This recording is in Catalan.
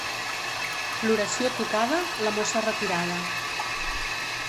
L'oració tocada, la mossa retirada.